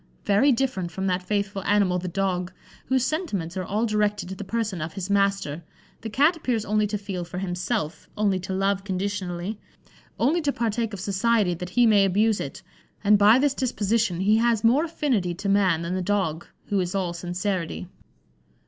Very different from that faithful animal the dog, whose sentiments are all directed to the person of his master, the Cat appears only to feel for himself, only to love conditionally, only to partake of society that he may abuse it; and by this disposition he has more affinity to man than the dog, who is all sincerity."